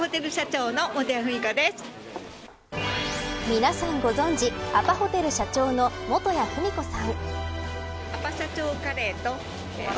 皆さんご存じアパホテル社長の元谷芙美子さん。